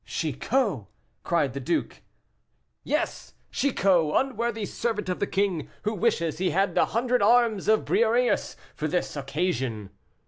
"Chicot!" cried the duke. "Yes, Chicot, unworthy servant of the king, who wishes he had the hundred arms of Briareus for this occasion."